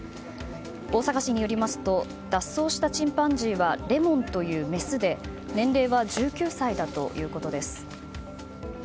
大阪市によりますと脱走したチンパンジーはレモンというメスで年齢は１９歳だということです。